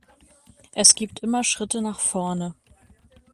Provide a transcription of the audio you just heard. Es gibt immer Schritte nach vorne.